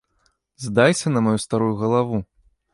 Здайся на маю старую галаву!